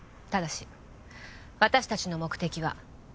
ただし私達の目的は